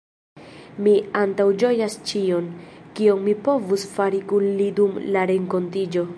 Mi antaŭĝojas ĉion, kion mi povus fari kun li dum la renkontiĝo.